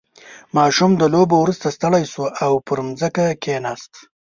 • ماشوم د لوبو وروسته ستړی شو او پر ځمکه کښېناست.